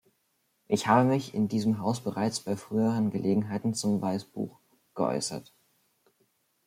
Ich habe mich in diesem Haus bereits bei früheren Gelegenheiten zum Weißbuch geäußert.